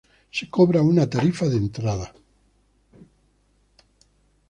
Se cobra una tarifa de entrada.